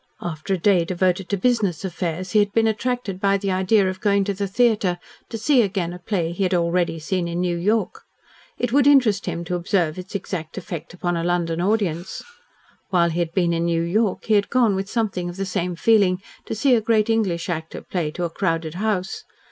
After a day devoted to business affairs, he had been attracted by the idea of going to the theatre to see again a play he had already seen in New York. It would interest him to observe its exact effect upon a London audience. While he had been in New York, he had gone with something of the same feeling to see a great English actor play to a crowded house.